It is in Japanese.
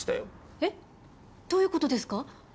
えどういうことですか？